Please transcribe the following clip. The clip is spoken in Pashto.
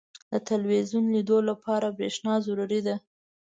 • د ټلویزیون لیدو لپاره برېښنا ضروري ده.